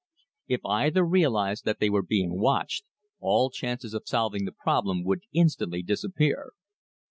If either realized that they were being watched, all chances of solving the problem would instantly disappear.